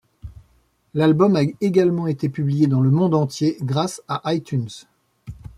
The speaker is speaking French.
L'album a également été publié dans le monde entier grâce à iTunes.